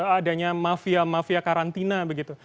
adanya mafia mafia karantina begitu